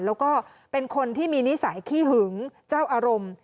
แล้วก็เป็นคนที่มีนิสัยขี้หึงเจ้าอารมณ์